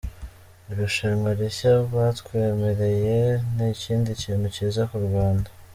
Irushanwa rishya batwemereye ni ikindi kintu cyiza ku Rwanda".